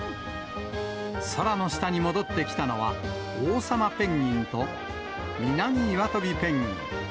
空の下に戻ってきたのは、オウサマペンギンとミナミイワトビペンギン。